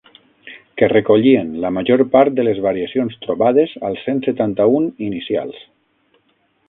Que recollien la major part de les variacions trobades als cent setanta-un inicials.